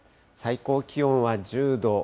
最高気温は１０度。